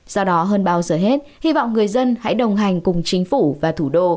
do đó hơn bao giờ hết hy vọng người dân hãy đồng hành cùng chính phủ và thủ đô